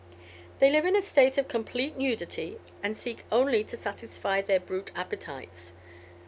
"They live in a state of complete nudity, and seek only to satisfy their brute appetites.